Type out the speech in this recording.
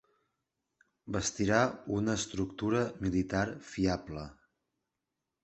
Bastirà una estructura militar fiable.